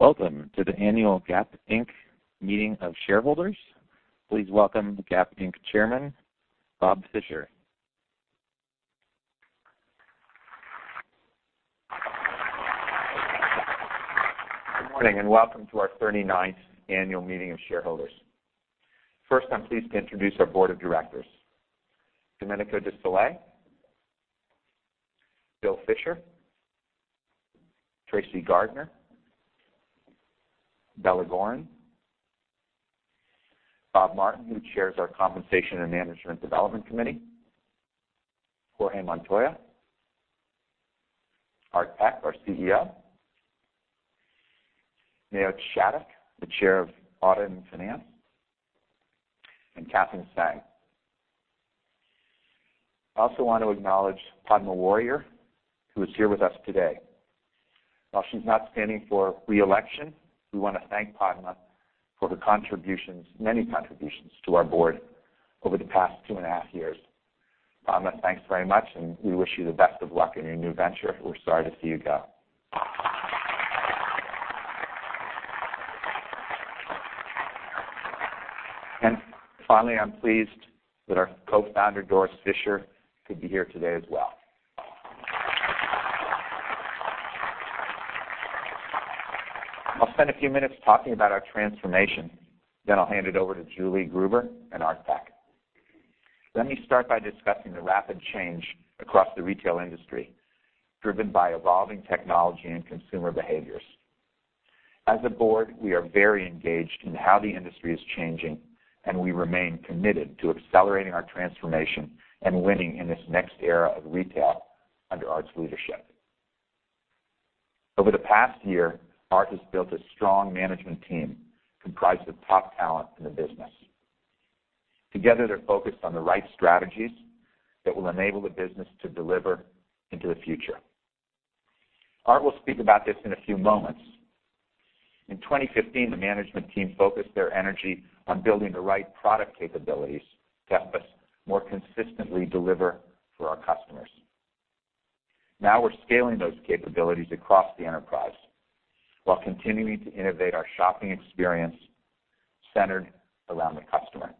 Welcome to the annual Gap Inc. Meeting of Shareholders. Please welcome the Gap Inc. Chairman, Bob Fisher. Good morning. Welcome to our 39th annual meeting of shareholders. First, I'm pleased to introduce our board of directors. Domenico De Sole. Bill Fisher. Tracy Gardner. Bella Goren. Bob Martin, who chairs our Compensation and Management Development Committee. Jorge Montoya. Art Peck, our CEO. Mayo Shattuck, the chair of Audit and Finance, and Katherine Tsang. I also want to acknowledge Padma Warrior, who is here with us today. While she's not standing for re-election, we want to thank Padma for her contributions, many contributions, to our board over the past two and a half years. Padma, thanks very much, and we wish you the best of luck in your new venture. We're sorry to see you go. Finally, I'm pleased that our co-founder, Doris Fisher, could be here today as well. I'll spend a few minutes talking about our transformation, then I'll hand it over to Julie Gruber and Art Peck. Let me start by discussing the rapid change across the retail industry, driven by evolving technology and consumer behaviors. As a board, we are very engaged in how the industry is changing, and we remain committed to accelerating our transformation and winning in this next era of retail under Art's leadership. Over the past year, Art has built a strong management team comprised of top talent in the business. Together, they're focused on the right strategies that will enable the business to deliver into the future. Art will speak about this in a few moments. In 2015, the management team focused their energy on building the right product capabilities to help us more consistently deliver for our customers. Now we're scaling those capabilities across the enterprise while continuing to innovate our shopping experience centered around the customer.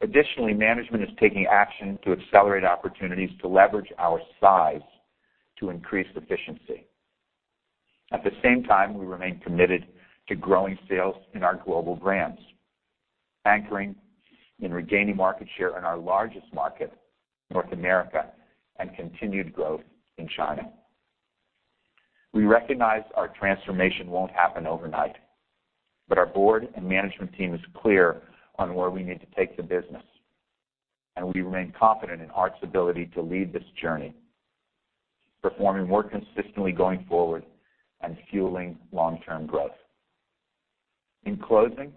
Additionally, management is taking action to accelerate opportunities to leverage our size to increase efficiency. At the same time, we remain committed to growing sales in our global brands, anchoring and regaining market share in our largest market, North America, and continued growth in China. We recognize our transformation won't happen overnight, but our board and management team is clear on where we need to take the business, and we remain confident in Art's ability to lead this journey, performing more consistently going forward and fueling long-term growth. In closing,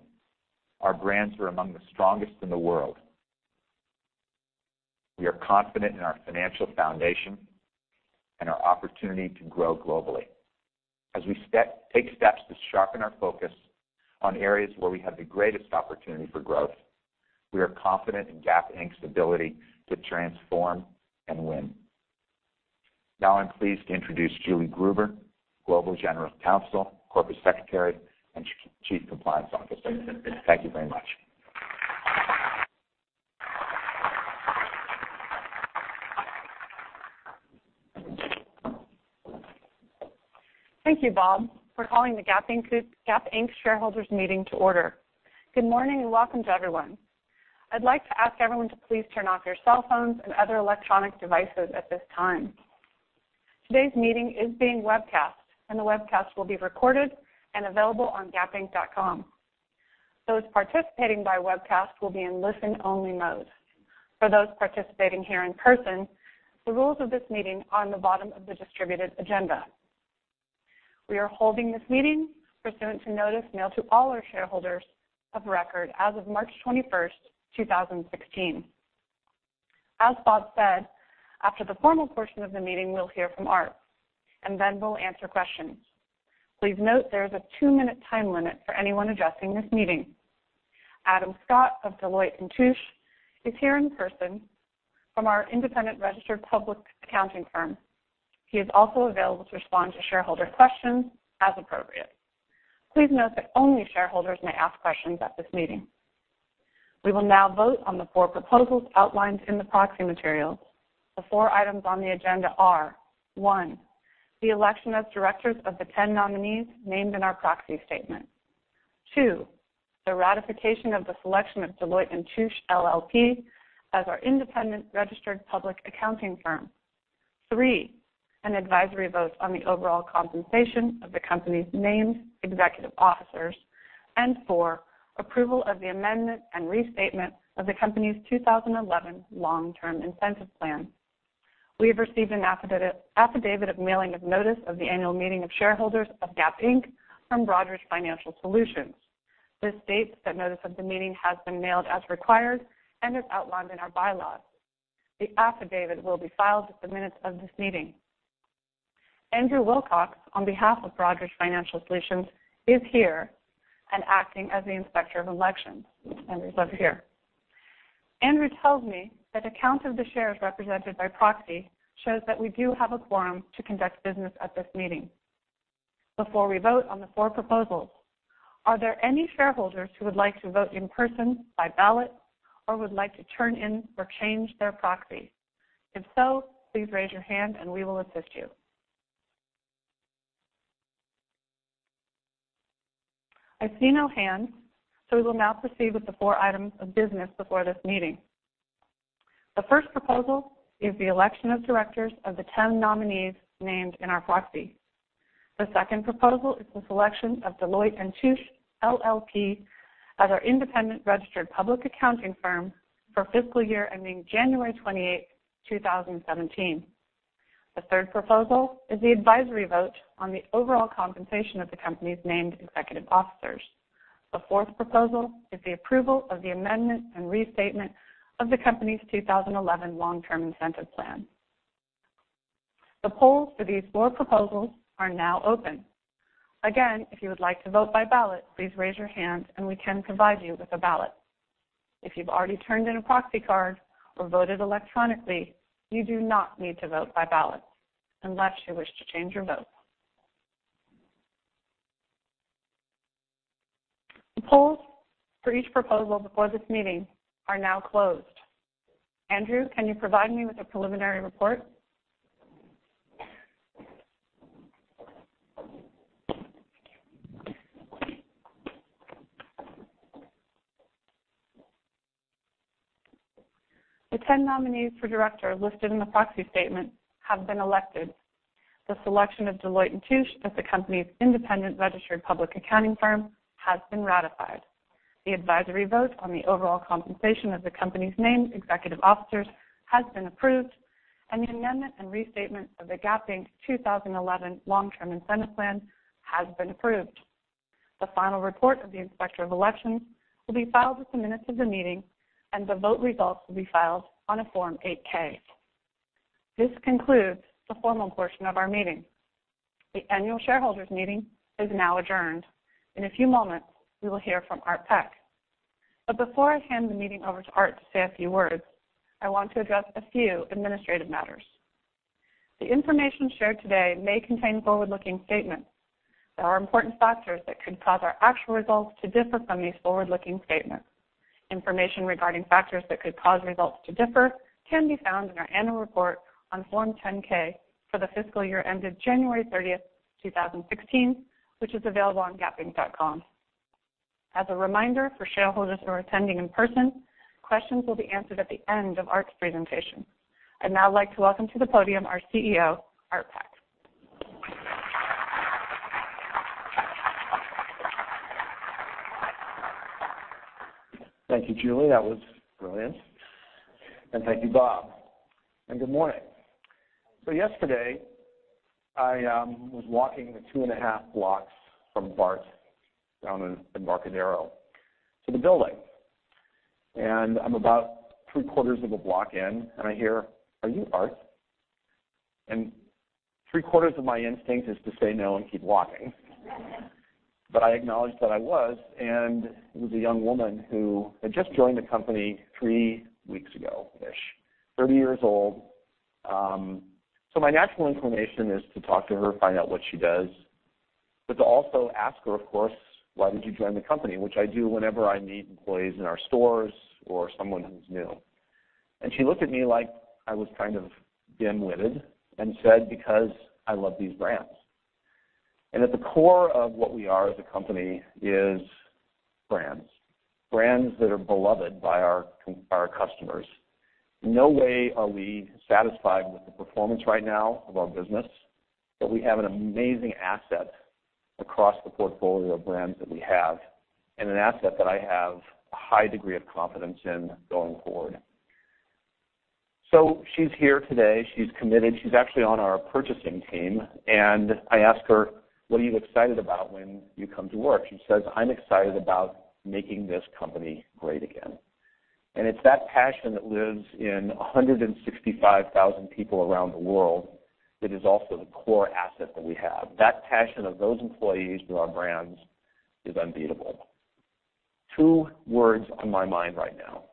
our brands are among the strongest in the world. We are confident in our financial foundation and our opportunity to grow globally. As we take steps to sharpen our focus on areas where we have the greatest opportunity for growth, we are confident in Gap Inc.'s ability to transform and win. Now I'm pleased to introduce Julie Gruber, Global General Counsel, Corporate Secretary, and Chief Compliance Officer. Thank you very much. Thank you, Bob. We're calling the Gap Inc. shareholders meeting to order. Good morning and welcome to everyone. I'd like to ask everyone to please turn off your cell phones and other electronic devices at this time. Today's meeting is being webcast, and the webcast will be recorded and available on gapinc.com. Those participating by webcast will be in listen-only mode. For those participating here in person, the rules of this meeting are on the bottom of the distributed agenda. We are holding this meeting pursuant to notice mailed to all our shareholders of record as of March 21, 2016. As Bob said, after the formal portion of the meeting, we'll hear from Art, and then we'll answer questions. Please note there is a two-minute time limit for anyone addressing this meeting. Adam Scott of Deloitte & Touche is here in person from our independent registered public accounting firm. He is also available to respond to shareholder questions as appropriate. Please note that only shareholders may ask questions at this meeting. We will now vote on the four proposals outlined in the proxy materials. The four items on the agenda are, one, the election as directors of the 10 nominees named in our proxy statement. Two, the ratification of the selection of Deloitte & Touche LLP as our independent registered public accounting firm. Three, an advisory vote on the overall compensation of the company's named executive officers. Four, approval of the amendment and restatement of the company's 2011 Long-Term Incentive Plan. We have received an affidavit of mailing of notice of the annual meeting of shareholders of Gap Inc. from Broadridge Financial Solutions. This states that notice of the meeting has been mailed as required and as outlined in our bylaws. The affidavit will be filed with the minutes of this meeting. Andrew Wilcox, on behalf of Broadridge Financial Solutions, is here and acting as the Inspector of Elections. Andrew's over here Andrew tells me that a count of the shares represented by proxy shows that we do have a quorum to conduct business at this meeting. Before we vote on the four proposals, are there any shareholders who would like to vote in person, by ballot, or would like to turn in or change their proxy? If so, please raise your hand and we will assist you. I see no hands, we will now proceed with the four items of business before this meeting. The first proposal is the election of directors of the 10 nominees named in our proxy. The second proposal is the selection of Deloitte & Touche LLP as our independent registered public accounting firm for fiscal year ending January 28, 2017. The third proposal is the advisory vote on the overall compensation of the company's named executive officers. The fourth proposal is the approval of the amendment and restatement of the company's 2011 Long-Term Incentive Plan. The polls for these four proposals are now open. Again, if you would like to vote by ballot, please raise your hand and we can provide you with a ballot. If you've already turned in a proxy card or voted electronically, you do not need to vote by ballot unless you wish to change your vote. The polls for each proposal before this meeting are now closed. Andrew, can you provide me with a preliminary report? The 10 nominees for director listed in the proxy statement have been elected. The selection of Deloitte & Touche as the company's independent registered public accounting firm has been ratified. The advisory vote on the overall compensation of the company's named executive officers has been approved, and the amendment and restatement of the Gap Inc. 2011 Long-Term Incentive Plan has been approved. The final report of the Inspector of Elections will be filed with the minutes of the meeting, and the vote results will be filed on a Form 8-K. This concludes the formal portion of our meeting. The annual shareholders' meeting is now adjourned. In a few moments, we will hear from Art Peck. Before I hand the meeting over to Art to say a few words, I want to address a few administrative matters. The information shared today may contain forward-looking statements. There are important factors that could cause our actual results to differ from these forward-looking statements. Information regarding factors that could cause results to differ can be found in our annual report on Form 10-K for the fiscal year ended January 30th, 2016, which is available on gapinc.com. As a reminder for shareholders who are attending in person, questions will be answered at the end of Art's presentation. I'd now like to welcome to the podium our CEO, Art Peck. Thank you, Julie. That was brilliant. Thank you, Bob, and good morning. Yesterday, I was walking the two and a half blocks from BART down in Embarcadero to the building. I'm about three-quarters of a block in and I hear, "Are you Art?" Three-quarters of my instinct is to say, "No," and keep walking. I acknowledged that I was, and it was a young woman who had just joined the company three weeks ago-ish. 30 years old. My natural inclination is to talk to her, find out what she does, but to also ask her, of course, "Why did you join the company?" Which I do whenever I meet employees in our stores or someone who's new. She looked at me like I was dim-witted, and said, "Because I love these brands." At the core of what we are as a company is brands that are beloved by our customers. No way are we satisfied with the performance right now of our business, but we have an amazing asset across the portfolio of brands that we have, and an asset that I have a high degree of confidence in going forward. She's here today. She's committed. She's actually on our purchasing team, and I ask her, "What are you excited about when you come to work?" She says, "I'm excited about making this company great again." It's that passion that lives in 165,000 people around the world that is also the core asset that we have. That passion of those employees through our brands is unbeatable. Two words on my mind right now.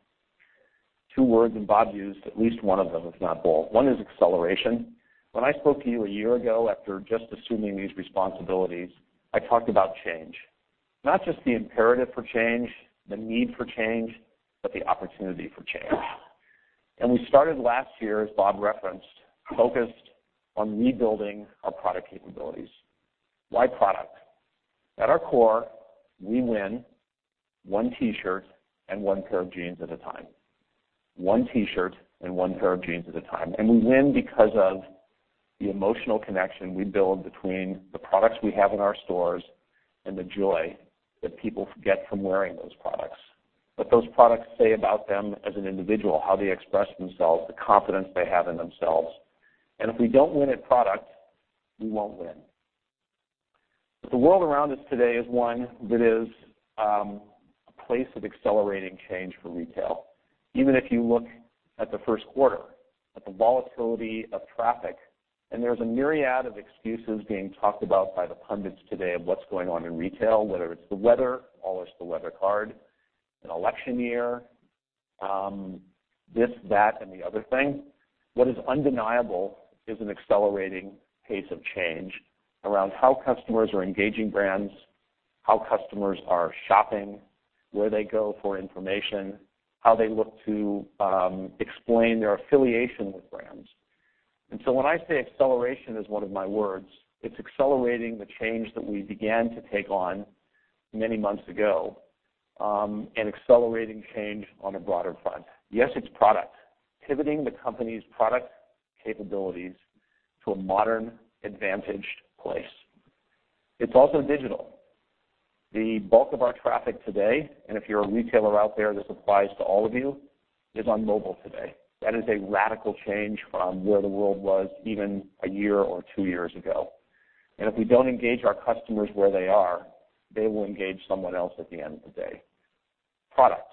Two words, and Bob used at least one of them, if not both. One is acceleration. When I spoke to you a year ago after just assuming these responsibilities, I talked about change. Not just the imperative for change, the need for change, but the opportunity for change. We started last year, as Bob referenced, focused on rebuilding our product capabilities. Why product? At our core, we win one T-shirt and one pair of jeans at a time. One T-shirt and one pair of jeans at a time. We win because of the emotional connection we build between the products we have in our stores and the joy that people get from wearing those products. What those products say about them as an individual, how they express themselves, the confidence they have in themselves. If we don't win at product, we won't win. The world around us today is one that is a place of accelerating change for retail. Even if you look at the first quarter, at the volatility of traffic. There's a myriad of excuses being talked about by the pundits today of what's going on in retail, whether it's the weather, always the weather card, an election year, this, that, and the other thing. What is undeniable is an accelerating pace of change around how customers are engaging brands, how customers are shopping, where they go for information, how they look to explain their affiliation with brands. When I say acceleration is one of my words, it's accelerating the change that we began to take on many months ago, and accelerating change on a broader front. Yes, it's product. Pivoting the company's product capabilities to a modern, advantaged place. It's also digital. The bulk of our traffic today, and if you're a retailer out there, this applies to all of you, is on mobile today. That is a radical change from where the world was even a year or two years ago. If we don't engage our customers where they are, they will engage someone else at the end of the day. Product,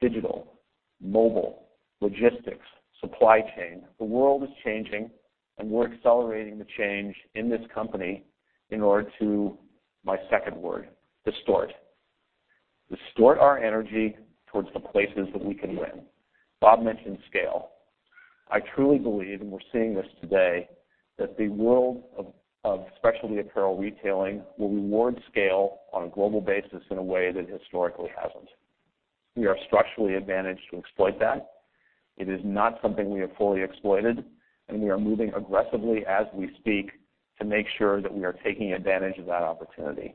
digital, mobile, logistics, supply chain. The world is changing, and we're accelerating the change in this company in order to my second word, distort. Distort our energy towards the places that we can win. Bob mentioned scale. I truly believe, and we're seeing this today, that the world of specialty apparel retailing will reward scale on a global basis in a way that historically hasn't. We are structurally advantaged to exploit that. It is not something we have fully exploited, and we are moving aggressively as we speak to make sure that we are taking advantage of that opportunity.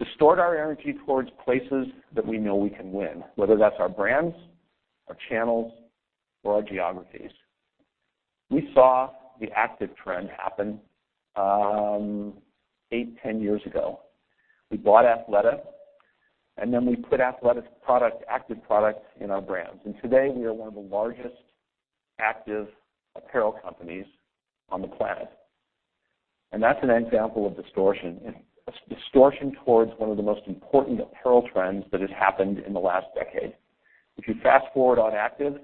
Distort our energy towards places that we know we can win, whether that's our brands, our channels, or our geographies. We saw the active trend happen eight, 10 years ago. We bought Athleta, and then we put Athleta's active product in our brands. Today, we are one of the largest active apparel companies on the planet. That's an example of distortion, and distortion towards one of the most important apparel trends that has happened in the last decade. If you fast-forward on active,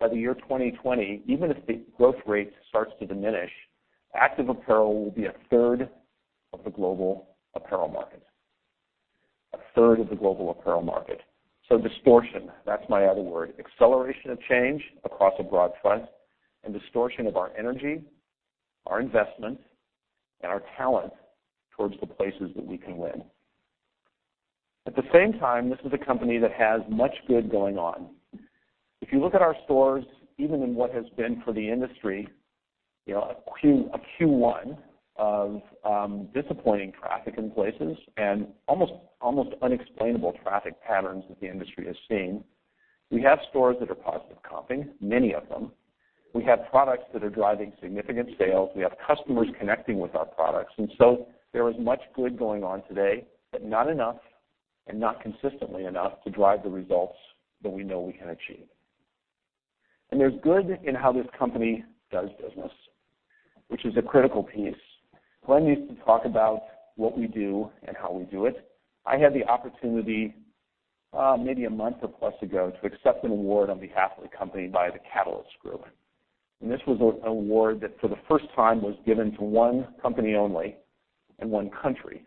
by the year 2020, even if the growth rate starts to diminish, active apparel will be a third of the global apparel market. A third of the global apparel market. Distortion, that's my other word. Acceleration of change across a broad front, and distortion of our energy, our investment, and our talent towards the places that we can win. At the same time, this is a company that has much good going on. If you look at our stores, even in what has been for the industry, a Q1 of disappointing traffic in places and almost unexplainable traffic patterns that the industry is seeing. We have stores that are positive comping, many of them. We have products that are driving significant sales. We have customers connecting with our products. There is much good going on today, but not enough and not consistently enough to drive the results that we know we can achieve. There's good in how this company does business, which is a critical piece. Glenn used to talk about what we do and how we do it. I had the opportunity, maybe a month or plus ago, to accept an award on behalf of the company by the Catalyst Group. This was an award that for the first time was given to one company only and one country.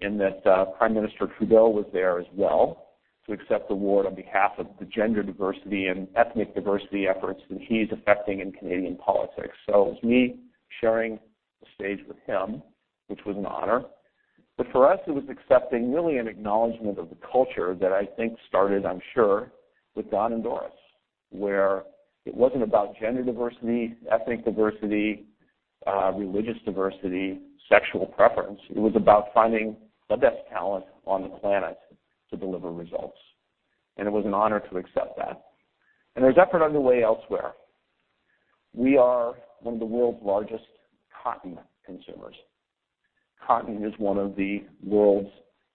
Prime Minister Trudeau was there as well to accept the award on behalf of the gender diversity and ethnic diversity efforts that he's effecting in Canadian politics. It was me sharing the stage with him, which was an honor. But for us, it was accepting really an acknowledgement of the culture that I think started, I'm sure, with Don and Doris, where it wasn't about gender diversity, ethnic diversity, religious diversity, sexual preference. It was about finding the best talent on the planet to deliver results. It was an honor to accept that. There's effort underway elsewhere. We are one of the world's largest cotton consumers. Cotton is one of the world's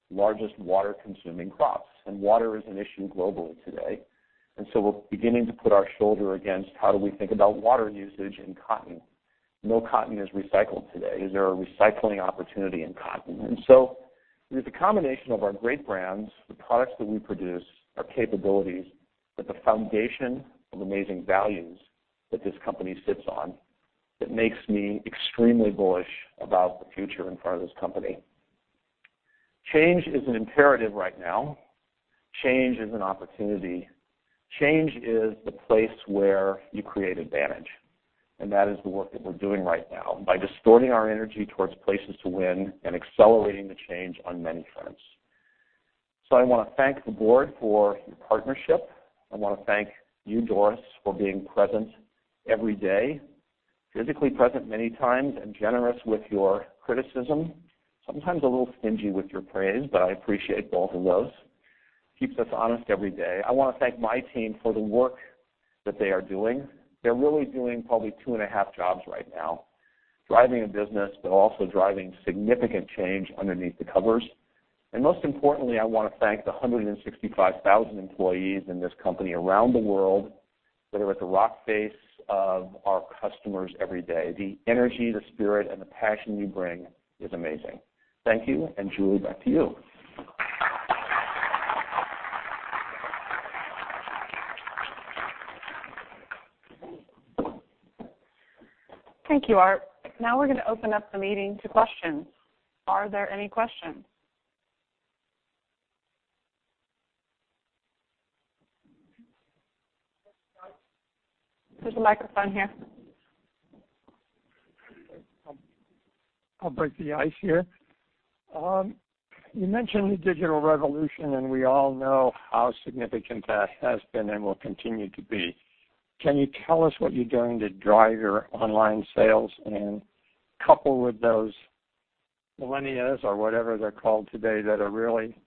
largest water-consuming crops, and water is an issue globally today. We're beginning to put our shoulder against how do we think about water usage in cotton. No cotton is recycled today. Is there a recycling opportunity in cotton? There's a combination of our great brands, the products that we produce, our capabilities, with the foundation of amazing values that this company sits on that makes me extremely bullish about the future in front of this company. Change is an imperative right now. Change is an opportunity. Change is the place where you create advantage. That is the work that we're doing right now by distorting our energy towards places to win and accelerating the change on many fronts. I want to thank the board for your partnership. I want to thank you, Doris Fisher, for being present every day, physically present many times, and generous with your criticism. Sometimes a little stingy with your praise, but I appreciate both of those. Keeps us honest every day. I want to thank my team for the work that they are doing. They're really doing probably two and a half jobs right now. Driving a business, but also driving significant change underneath the covers. Most importantly, I want to thank the 165,000 employees in this company around the world that are at the rock face of our customers every day. The energy, the spirit, and the passion you bring is amazing. Thank you, and Julie Gruber, back to you. Thank you, Art Peck. We're going to open up the meeting to questions. Are there any questions? There's a microphone here. I'll break the ice here. You mentioned the digital revolution, and we all know how significant that has been and will continue to be. Can you tell us what you're doing to drive your online sales and couple with those millennials, or whatever they're called today, that are really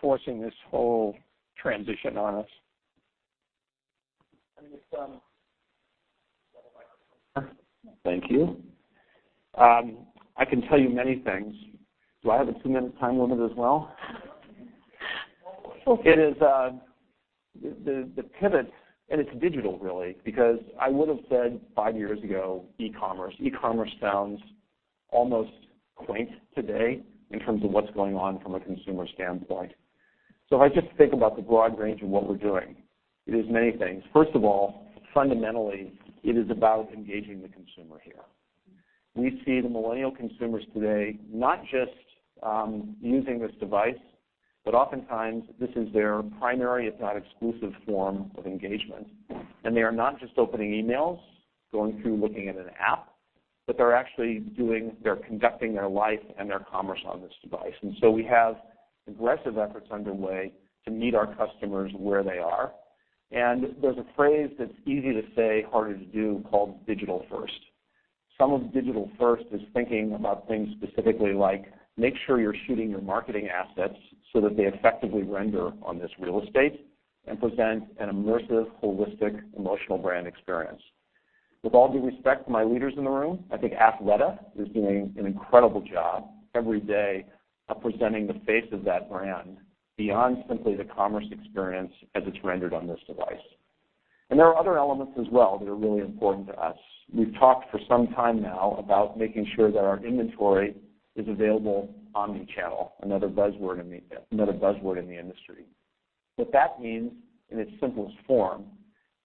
forcing this whole transition on us? Thank you. I can tell you many things. Do I have a two-minute time limit as well? The pivot, it's digital, really, because I would've said five years ago, e-commerce. E-commerce sounds almost quaint today in terms of what's going on from a consumer standpoint. If I just think about the broad range of what we're doing, it is many things. First of all, fundamentally, it is about engaging the consumer here. We see the millennial consumers today not just using this device, but oftentimes this is their primary, if not exclusive, form of engagement. They are not just opening emails, going through looking at an app, but they're actually conducting their life and their commerce on this device. We have aggressive efforts underway to meet our customers where they are. There's a phrase that's easy to say, harder to do, called digital-first. Some of digital-first is thinking about things specifically like make sure you're shooting your marketing assets so that they effectively render on this real estate and present an immersive, holistic, emotional brand experience. With all due respect to my leaders in the room, I think Athleta is doing an incredible job every day of presenting the face of that brand beyond simply the commerce experience as it's rendered on this device. There are other elements as well that are really important to us. We've talked for some time now about making sure that our inventory is available omni-channel, another buzzword in the industry. What that means, in its simplest form,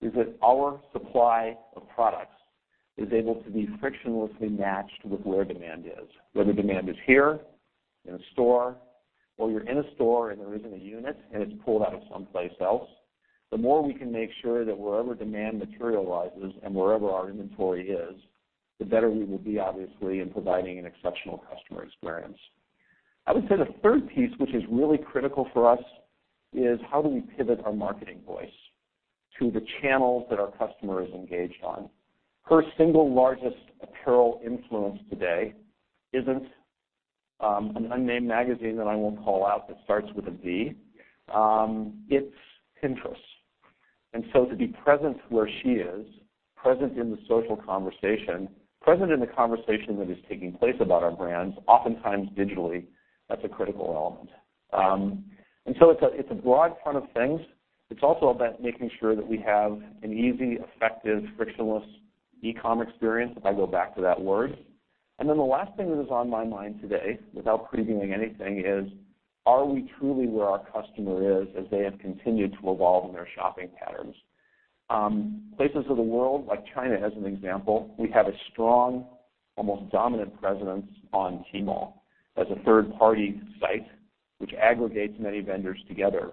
is that our supply of products is able to be frictionlessly matched with where demand is. Whether demand is here, in a store, or you're in a store and there isn't a unit and it's pulled out of someplace else. The more we can make sure that wherever demand materializes and wherever our inventory is, the better we will be, obviously, in providing an exceptional customer experience. I would say the third piece, which is really critical for us, is how do we pivot our marketing voice to the channels that our customer is engaged on. Her single largest apparel influence today isn't an unnamed magazine that I won't call out that starts with a V. It's Pinterest. To be present where she is, present in the social conversation, present in the conversation that is taking place about our brands, oftentimes digitally, that's a critical element. It's a broad front of things. It's also about making sure that we have an easy, effective, frictionless e-comm experience, if I go back to that word. The last thing that is on my mind today, without previewing anything, is are we truly where our customer is as they have continued to evolve in their shopping patterns? Places of the world like China, as an example, we have a strong, almost dominant presence on Tmall as a third-party site, which aggregates many vendors together.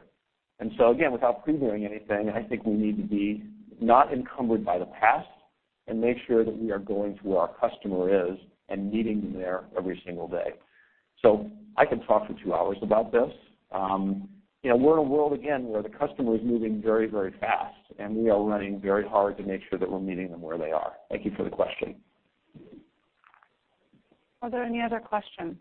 Again, without previewing anything, I think we need to be not encumbered by the past and make sure that we are going to where our customer is and meeting them there every single day. I can talk for 2 hours about this. We're in a world, again, where the customer is moving very fast, and we are running very hard to make sure that we're meeting them where they are. Thank you for the question. Are there any other questions?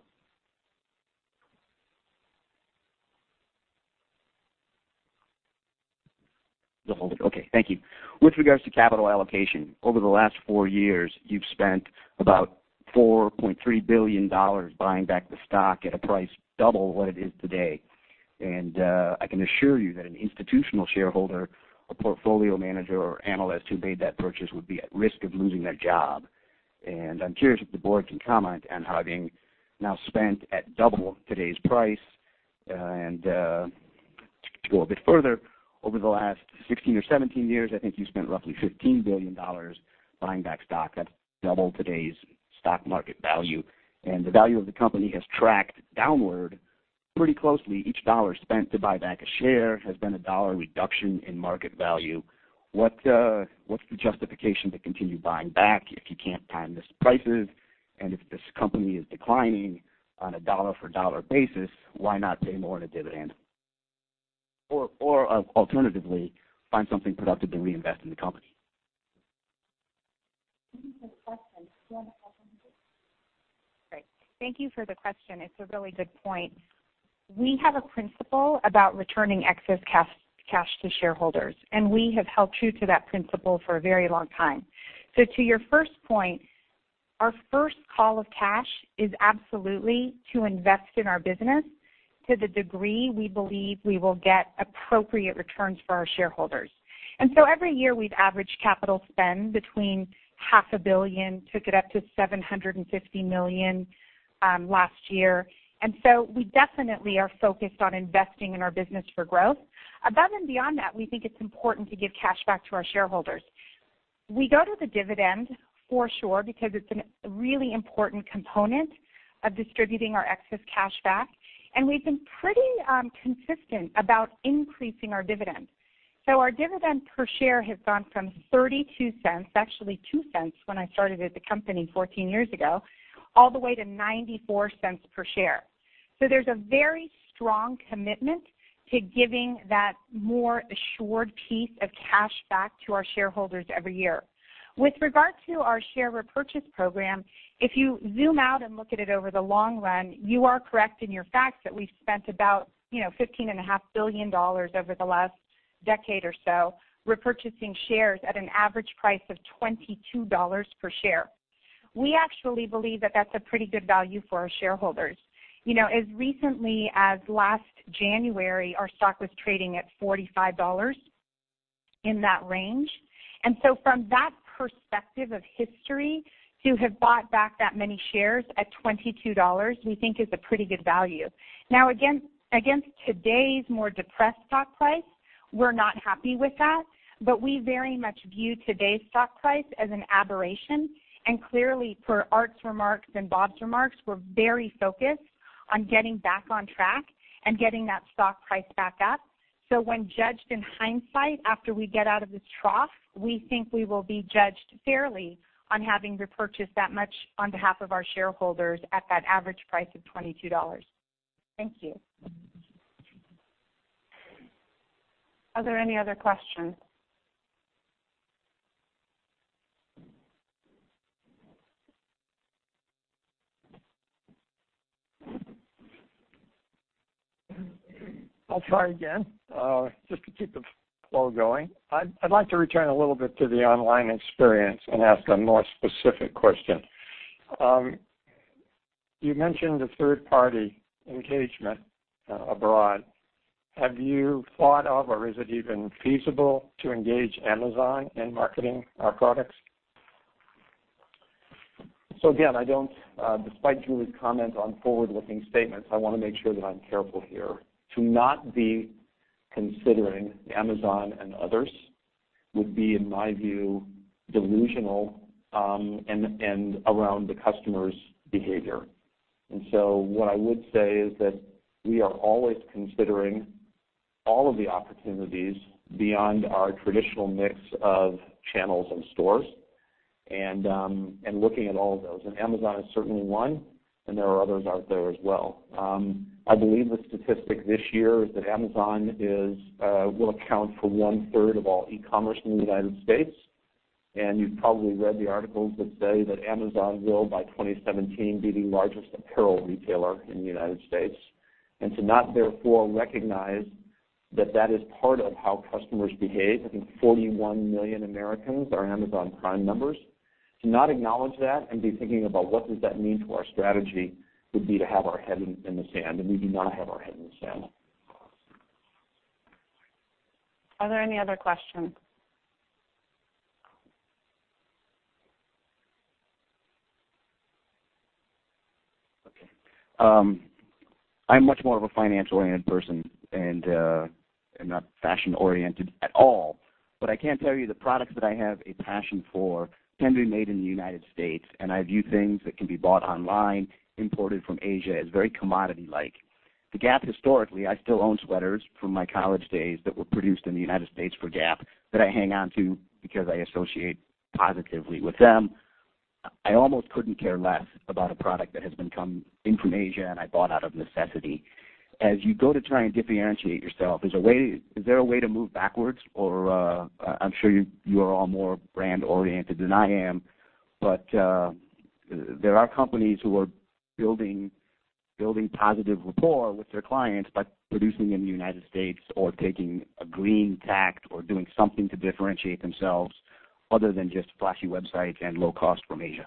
Okay, thank you. With regards to capital allocation, over the last 4 years, you've spent about $4.3 billion buying back the stock at a price double what it is today. I can assure you that an institutional shareholder or portfolio manager or analyst who made that purchase would be at risk of losing their job. I'm curious if the board can comment on having now spent at double today's price. To go a bit further, over the last 16 or 17 years, I think you've spent roughly $15 billion buying back stock. That's double today's stock market value. The value of the company has tracked downward pretty closely. Each dollar spent to buy back a share has been a dollar reduction in market value. What's the justification to continue buying back if you can't time these prices? If this company is declining on a dollar-for-dollar basis, why not pay more in a dividend? Alternatively, find something productive to reinvest in the company. Great. Thank you for the question. It's a really good point. We have a principle about returning excess cash to shareholders, and we have held true to that principle for a very long time. To your first point, our first call of cash is absolutely to invest in our business to the degree we believe we will get appropriate returns for our shareholders. Every year we've averaged capital spend between $half a billion, took it up to $750 million last year. We definitely are focused on investing in our business for growth. Above and beyond that, we think it's important to give cash back to our shareholders. We go to the dividend for sure, because it's a really important component of distributing our excess cash back, and we've been pretty consistent about increasing our dividends. Our dividend per share has gone from $0.32, actually $0.02 when I started at the company 14 years ago, all the way to $0.94 per share. There's a very strong commitment to giving that more assured piece of cash back to our shareholders every year. With regard to our share repurchase program, if you zoom out and look at it over the long run, you are correct in your facts that we've spent about $15.5 billion over the last decade or so, repurchasing shares at an average price of $22 per share. We actually believe that that's a pretty good value for our shareholders. As recently as last January, our stock was trading at $45, in that range. From that perspective of history, to have bought back that many shares at $22, we think is a pretty good value. Now, against today's more depressed stock price, we're not happy with that, but we very much view today's stock price as an aberration, and clearly per Art's remarks and Bob's remarks, we're very focused on getting back on track and getting that stock price back up. When judged in hindsight after we get out of this trough, we think we will be judged fairly on having repurchased that much on behalf of our shareholders at that average price of $22. Thank you. Are there any other questions? I'll try again. Just to keep the flow going. I'd like to return a little bit to the online experience and ask a more specific question. You mentioned the third-party engagement abroad. Have you thought of, or is it even feasible to engage Amazon in marketing our products? Again, despite Julie's comment on forward-looking statements, I want to make sure that I'm careful here. To not be considering Amazon and others would be, in my view, delusional, and around the customer's behavior. What I would say is that we are always considering all of the opportunities beyond our traditional mix of channels and stores, and looking at all of those, and Amazon is certainly one, and there are others out there as well. I believe the statistic this year is that Amazon will account for one-third of all e-commerce in the U.S., and you've probably read the articles that say that Amazon will, by 2017, be the largest apparel retailer in the U.S. To not therefore recognize that that is part of how customers behave, I think 41 million Americans are Amazon Prime members. To not acknowledge that and be thinking about what does that mean to our strategy would be to have our head in the sand, and we do not have our head in the sand. Are there any other questions? Okay. I'm much more of a financial-oriented person and not fashion-oriented at all. I can tell you the products that I have a passion for tend to be made in the United States, and I view things that can be bought online, imported from Asia, as very commodity-like. Gap historically, I still own sweaters from my college days that were produced in the United States for Gap that I hang on to because I associate positively with them. I almost couldn't care less about a product that has been come in from Asia and I bought out of necessity. As you go to try and differentiate yourself, is there a way to move backwards? I'm sure you are all more brand oriented than I am, there are companies who are building positive rapport with their clients by producing in the United States or taking a green tack or doing something to differentiate themselves other than just flashy websites and low cost from Asia.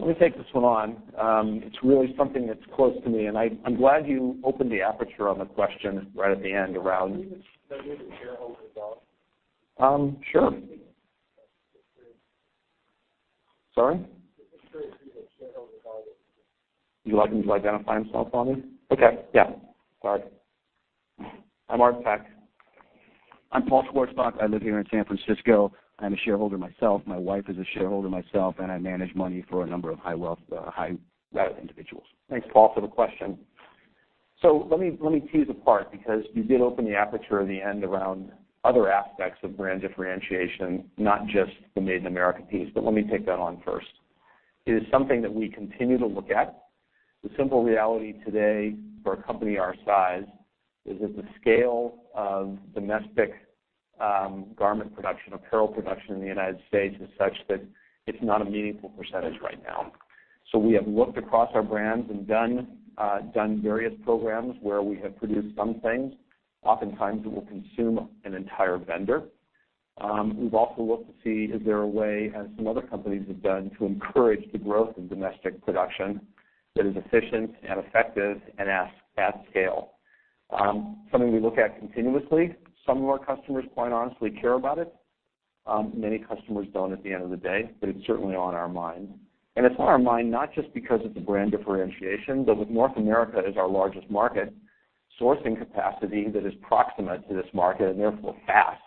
Let me take this one on. It's really something that's close to me, and I'm glad you opened the aperture on the question right at the end around. Can you just identify the shareholder as well? Sure. Sorry. Just make sure it's a shareholder as well. You'd like him to identify himself for me? Okay. Yeah. Sorry. I'm Art Peck. I'm Paul Schwarzbach. I live here in San Francisco. I'm a shareholder myself. My wife is a shareholder myself, and I manage money for a number of high wealth, high net individuals. Thanks, Paul, for the question. Let me tease apart, because you did open the aperture at the end around other aspects of brand differentiation, not just the Made in America piece. Let me take that on first. It is something that we continue to look at. The simple reality today for a company our size is that the scale of domestic garment production, apparel production in the United States is such that it's not a meaningful percentage right now. We have looked across our brands and done various programs where we have produced some things. Oftentimes, it will consume an entire vendor. We've also looked to see is there a way, as some other companies have done, to encourage the growth of domestic production that is efficient and effective and at scale. Something we look at continuously. Some of our customers quite honestly care about it. Many customers don't at the end of the day, but it's certainly on our mind. It's on our mind, not just because of the brand differentiation, but with North America as our largest market, sourcing capacity that is proximate to this market and therefore fast.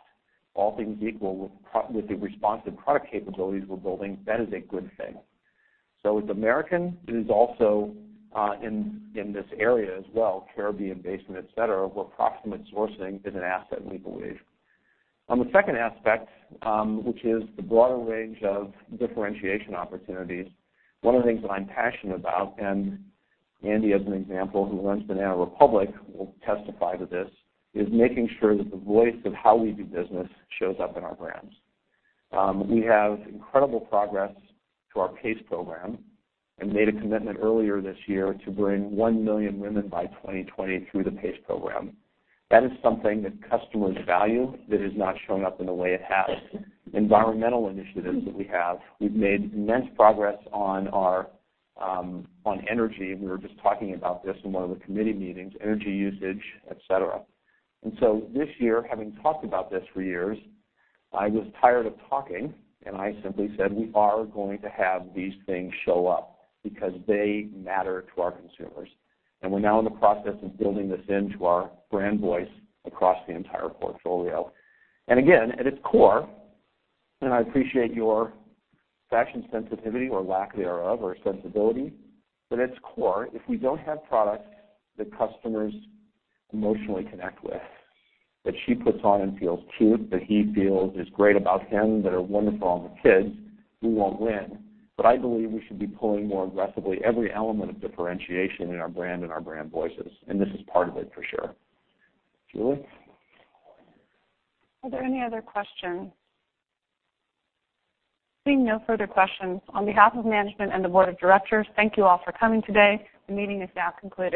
All things equal, with the responsive product capabilities we're building, that is a good thing. It's American. It is also in this area as well, Caribbean Basin, et cetera, where proximate sourcing is an asset, we believe. On the second aspect, which is the broader range of differentiation opportunities, one of the things that I'm passionate about, and Andi as an example, who runs Banana Republic, will testify to this, is making sure that the voice of how we do business shows up in our brands. We have incredible progress to our P.A.C.E. program and made a commitment earlier this year to bring 1 million women by 2020 through the P.A.C.E. program. That is something that customers value that is not showing up in the way it has. Environmental initiatives that we have. We've made immense progress on energy, and we were just talking about this in one of the committee meetings, energy usage, et cetera. This year, having talked about this for years, I was tired of talking and I simply said, "We are going to have these things show up because they matter to our consumers." We're now in the process of building this into our brand voice across the entire portfolio. Again, at its core, and I appreciate your fashion sensitivity or lack thereof or sensibility, but at its core, if we don't have products that customers emotionally connect with, that she puts on and feels cute, that he feels is great about him, that are wonderful on the kids, we won't win. I believe we should be pulling more aggressively every element of differentiation in our brand and our brand voices. This is part of it for sure. Julie? Are there any other questions? Seeing no further questions, on behalf of management and the board of directors, thank you all for coming today. The meeting is now concluded.